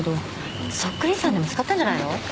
そっくりさんでも使ったんじゃないの？